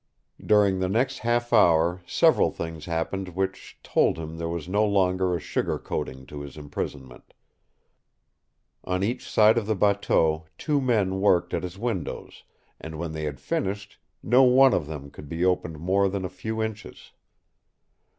During the next half hour several things happened which told him there was no longer a sugar coating to his imprisonment. On each side of the bateau two men worked at his windows, and when they had finished, no one of them could be opened more than a few inches.